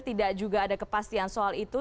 tidak juga ada kepastian soal itu